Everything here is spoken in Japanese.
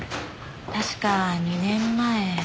確か２年前。